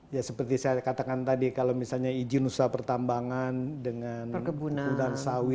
ya seperti saya katakan tadi kalau misalnya izin usaha pertambangan dengan udang sawit